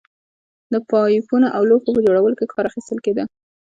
د پایپونو او لوښو په جوړولو کې کار اخیستل کېده